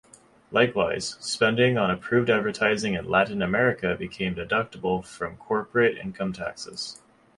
Likewise, spending on approved advertising in Latin America became deductible from corporate income taxes.